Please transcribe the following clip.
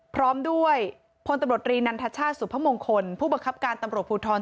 พร้อมด้วยพลตำรวจรีนันทชาติสุพมงคลผู้บังคับการตำรวจภูทร